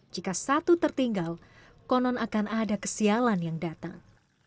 jika satu tertinggal konon akan ada kesialan yang datang